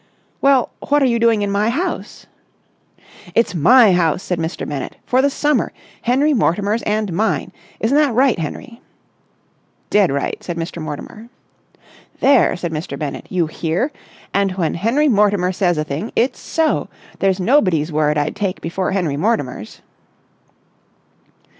"Well, what are you doing in my house?" "It's my house," said Mr. Bennett, "for the summer, Henry Mortimer's and mine. Isn't that right, Henry?" "Dead right," said Mr. Mortimer. "There!" said Mr. Bennett. "You hear? And when Henry Mortimer says a thing, it's so. There's nobody's word I'd take before Henry Mortimer's."